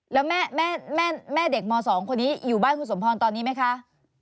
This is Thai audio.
แล้วแม่เด็กม๒คนนี้อยู่บ้านคุณสมพรตอนนี้ไหมคะ